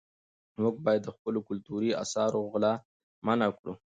موږ باید د خپلو کلتوري اثارو غلا منعه کړو.